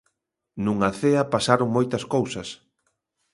Nunha cea pasaron moitas cousas.